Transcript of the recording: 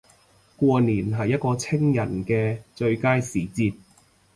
過年係一個清人既最佳時節